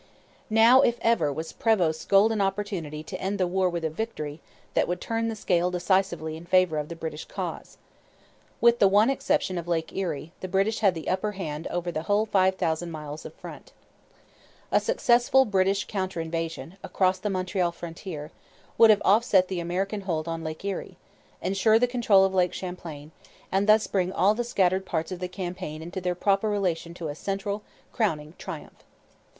Now, if ever, was Prevost's golden opportunity to end the war with a victory that would turn the scale decisively in favour of the British cause. With the one exception of Lake Erie, the British had the upper hand over the whole five thousand miles of front. A successful British counter invasion, across the Montreal frontier, would offset the American hold on Lake Erie, ensure the control of Lake Champlain, and thus bring all the scattered parts of the campaign into their proper relation to a central, crowning triumph.